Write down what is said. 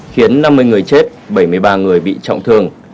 khiến năm mươi người chết bảy mươi ba người bị trọng thương